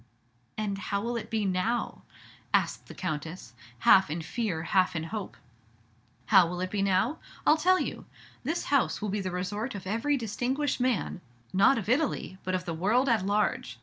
"And how will it be now?" asked the Countess, half in fear, half in hope. "How will it be now? I 'll tell you. This house will be the resort of every distinguished man, not of Italy, but of the world at large.